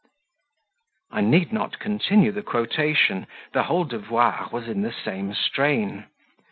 I need not continue the quotation; the whole devoir was in the same strain.